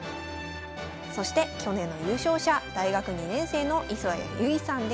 そして去年の優勝者大学２年生の磯谷祐維さんです。